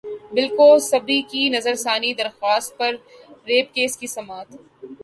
بل Cosby کی نظرثانی درخواست پر ریپ کیس کی سماعت